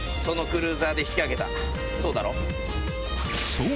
そう！